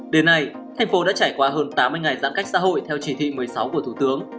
đến nay thành phố đã trải qua hơn tám mươi ngày giãn cách xã hội theo chỉ thị một mươi sáu của thủ tướng